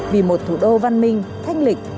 vì một thủ đô văn minh thanh lịch